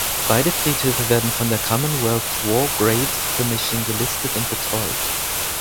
Beide Friedhöfe werden von der Commonwealth War Graves Commission gelistet und betreut.